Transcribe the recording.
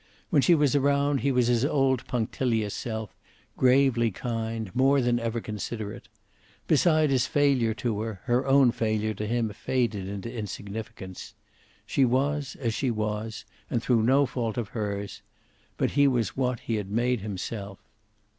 When she was around he was his old punctilious self, gravely kind, more than ever considerate. Beside his failure to her, her own failure to him faded into insignificance. She was as she was, and through no fault of hers. But he was what he had made himself.